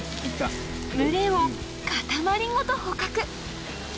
群れを固まりごと捕獲！